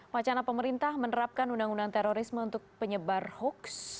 wacana pemerintah menerapkan undang undang terorisme untuk penyebar hoax